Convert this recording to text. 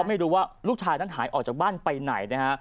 ไม่รู้ว่าลูกชายนั้นหายออกจากบ้านไปไหนนะฮะ